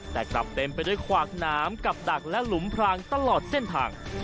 แต่กลับเต็มไปด้วยขวากน้ำกับดักและหลุมพรางตลอดเส้นทาง